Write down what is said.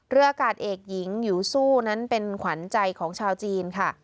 อากาศเอกหญิงหิวซู่นั้นเป็นขวัญใจของชาวจีนค่ะ